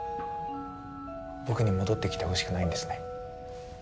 僕に戻ってきてほしくないんですね。